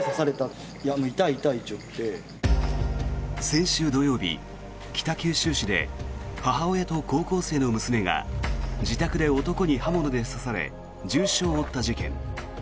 先週土曜日、北九州市で母親と高校生の娘が自宅で男に刃物で刺され重傷を負った事件。